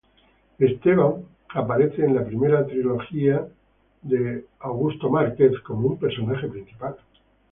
Steve aparece en la primera trilogía de Darren Shan como un personaje principal.